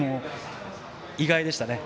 意外でしたね。